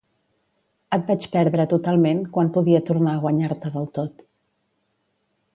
Et vaig perdre totalment quan podia tornar a guanyar-te del tot.